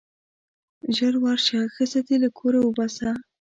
ژر ورشه ښځه دې له کوره وباسه.